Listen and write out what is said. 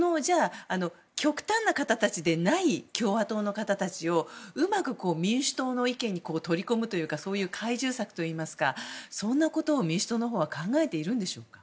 極端な方たちでない共和党の方たちをうまく民主党の意見に取り込むというかそういう懐柔策といいますかそんなことを民主党は考えているんでしょうか。